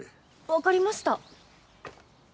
分かりました。